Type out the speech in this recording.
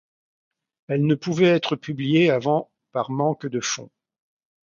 Elle ne pouvait être publiée avant par manque de fonds.